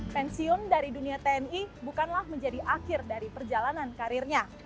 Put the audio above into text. pensiun dari dunia tni bukanlah menjadi akhir dari perjalanan karirnya